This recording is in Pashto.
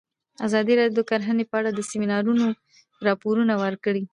ازادي راډیو د کرهنه په اړه د سیمینارونو راپورونه ورکړي.